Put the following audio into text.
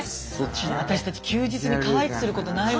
私たち休日にかわいくすることないわね。